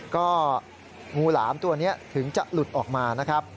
ก็งูหลามตัวนี้ถึงจะหลุดออกมานะครับ